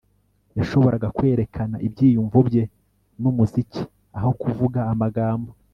Yashoboraga kwerekana ibyiyumvo bye numuziki aho kuvuga amagambo